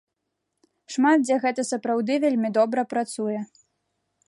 Шмат дзе гэта сапраўды вельмі добра працуе.